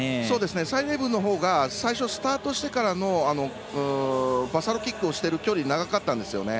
蔡麗ぶんのほうが最初、スタートしてからのバサロキックをしてる距離長かったんですよね。